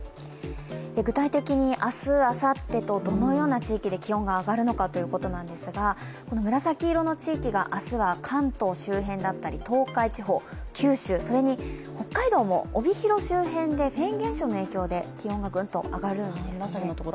具体的に明日、あさってとどのような地域で気温が上がるのかということなんですが、紫色の地域が明日は関東周辺だったり東海地方九州それに北海道も帯広周辺でフェーン現象の影響でぐっと上がるんですね。